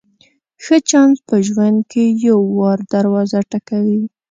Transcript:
ښه چانس په ژوند کې یو وار دروازه ټکوي.